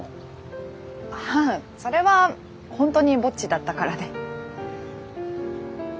ああそれは本当にぼっちだったからで。